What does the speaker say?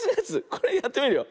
これやってみるよ。